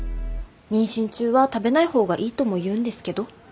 妊娠中は食べない方がいいとも言うんですけど。